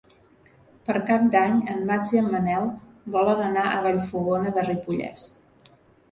Per Cap d'Any en Max i en Manel volen anar a Vallfogona de Ripollès.